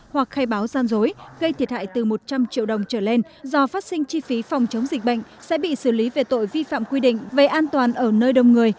hoặc khai báo gian dối gây thiệt hại từ một trăm linh triệu đồng trở lên do phát sinh chi phí phòng chống dịch bệnh sẽ bị xử lý về tội vi phạm quy định về an toàn ở nơi đông người